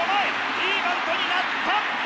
いいバントになった！